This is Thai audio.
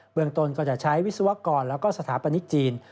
เบื้องตนก็ใช้วิศวกรและสถาปนิกจีน